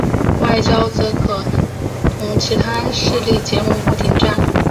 外交则可同其他势力结盟或停战。